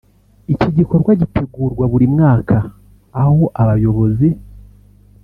Iki gikorwa gitegurwa buri mwaka aho abayobozi